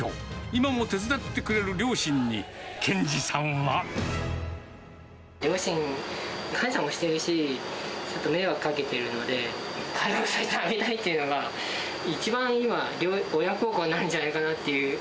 今も手伝ってくれる両親に、両親には感謝もしてるし、ちょっと迷惑かけてるので、解放させてあげたいというのが、一番今、親孝行なんじゃないかな